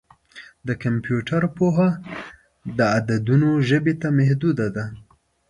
د کمپیوټر پوهه د عددونو ژبې ته محدوده ده.